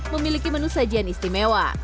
menu sajian istimewa